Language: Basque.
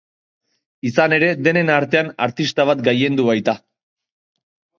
Izan ere, denen artean artista bat gailendu baita.